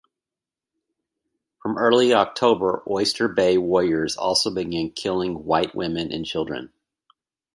From early October Oyster Bay warriors also began killing white women and children.